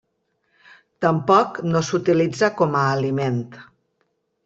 Tampoc no s'utilitza com a aliment.